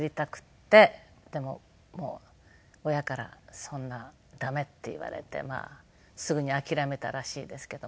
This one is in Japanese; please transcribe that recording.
でももう親からそんなダメって言われてすぐに諦めたらしいですけども。